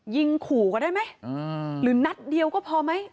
ยิงขู่ก็ได้ไหมหรือนัดเดียวก็พอไหม